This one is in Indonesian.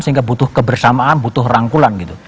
sehingga butuh kebersamaan butuh rangkulan gitu